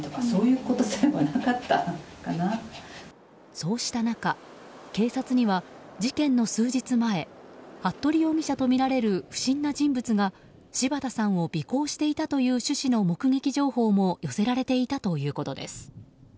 そうした中警察には事件の数日前服部容疑者とみられる不審な人物が柴田さんを尾行していたという趣旨の目撃情報も寄せられていたということです。